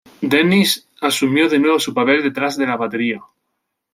Dennis asumió de nuevo su papel detrás de la batería.